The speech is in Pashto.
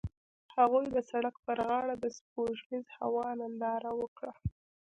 هغوی د سړک پر غاړه د سپوږمیز هوا ننداره وکړه.